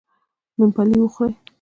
ممپلي و خورئ.